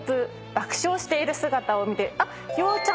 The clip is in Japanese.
爆笑している姿を見て。